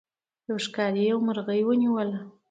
یو ښکاري یو مرغۍ ونیوله.